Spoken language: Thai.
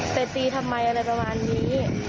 แต่ตีทำไมอะไรประมาณนี้